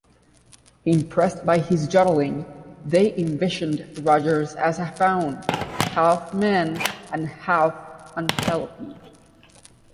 Impressed by his yodeling, they envisioned Rodgers as a faun, half-man and half-antelope.